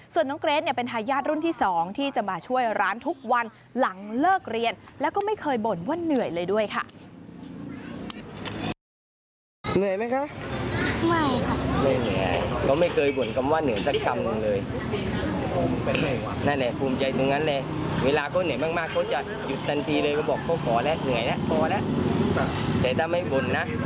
ส่วนน้องเกรทเป็นทายาทรุ่นที่๒ที่จะมาช่วยร้านทุกวันหลังเลิกเรียนแล้วก็ไม่เคยบ่นว่าเหนื่อยเลยด้วยค่ะ